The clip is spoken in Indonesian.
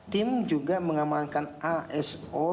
tim juga mengamankan aso